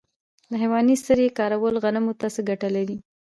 د حیواني سرې کارول غنمو ته څه ګټه لري؟